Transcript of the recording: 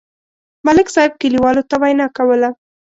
ملک صاحب کلیوالو ته وینا کوله.